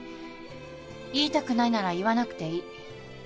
言いたくないなら言わなくていい。